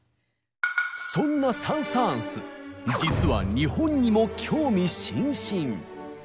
そんなサン・サーンス実は日本にも興味津々。